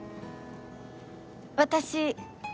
私！